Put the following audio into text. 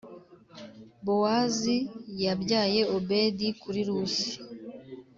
Bowazi yabyaye Obedi kuri Rusi,